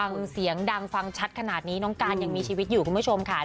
ฟังเสียงดังฟังชัดขนาดนี้น้องการยังมีชีวิตอยู่คุณผู้ชมค่ะ